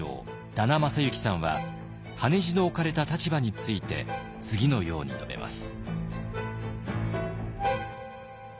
田名真之さんは羽地の置かれた立場について次のように述べます。